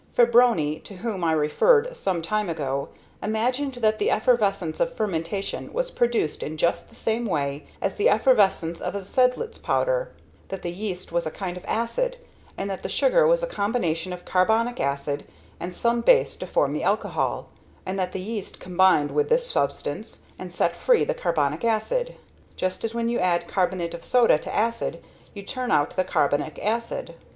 Fabroni, to whom I referred some time ago, imagined that the effervescence of fermentation was produced in just the same way as the effervescence of a sedlitz powder, that the yeast was a kind of acid, and that the sugar was a combination of carbonic acid and some base to form the alcohol, and that the yeast combined with this substance, and set free the carbonic acid; just as when you add carbonate of soda to acid you turn out the carbonic acid.